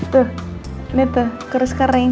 tuh lihat tuh kurus kering